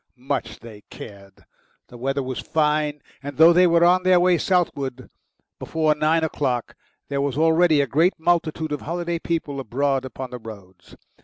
Much they cared! The weather was fine, and though they were on their way southward before nine o'clock, there was already a great multitude of holiday people abroad upon the roads.